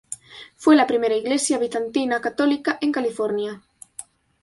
Fue la primera iglesia bizantina católica en California.